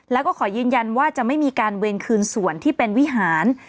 แล้วก็ขอยืนยันว่าจะไม่มีการเวรคืนส่วนที่เป็นวิหาร